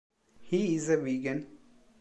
He is a vegan.